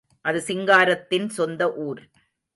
அது சிங்காரத்தின் சொந்த ஊர்.